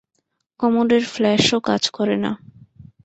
কমোডের ফ্ল্যাশও কাজ করে না।